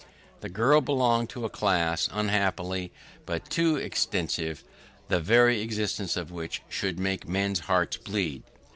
The girl belonged to a class unhappily but too extensive the very existence of which, should make men's hearts bleed.